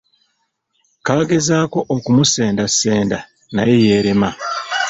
Kagezaako okumusendasenda naye yeerema.